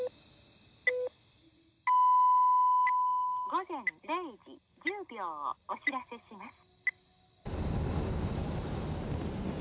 午前０時１０秒をお知らせします。